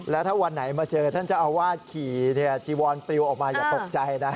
แล้วถ้าวันไหนมาเจอท่านเจ้าอาวาสขี่จีวอนปลิวออกมาอย่าตกใจนะ